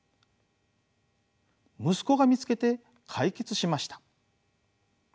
息子が見つけて解決しました。